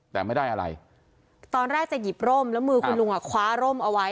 แต่ไม่ได้อะไรตอนแรกจะหยิบร่มแล้วมือคุณลุงอ่ะคว้าร่มเอาไว้